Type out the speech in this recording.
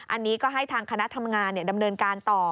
อันนี้ก็ให้ทางคณะทำงานดำเนินการต่อ